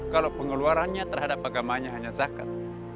kalau pengeluarannya terhadap agamanya hanya zakat